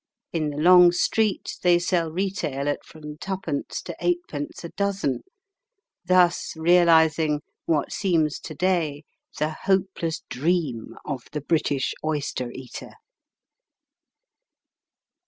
In the long street they sell retail at from twopence to eightpence a dozen, thus realising what seems to day the hopeless dream of the British oyster eater.